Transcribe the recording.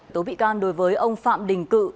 tổ bị can đối với ông phạm đình cự